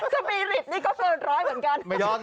สปีริตนี่ก็เกินร้อยเหมือนกัน